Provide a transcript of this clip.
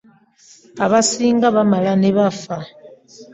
Abasinga bamala ne bafa.